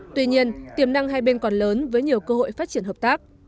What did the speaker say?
tuy nhiên tiềm năng hai bên còn lớn với nhiều cơ hội phát triển hợp tác